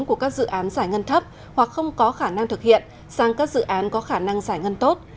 của các dự án giải ngân thấp hoặc không có khả năng thực hiện sang các dự án có khả năng giải ngân tốt